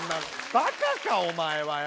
バカかお前はよ。